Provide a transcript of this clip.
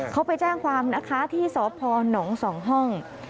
เขาไปแจ้งความนักค้าที่สพหนสองห้อง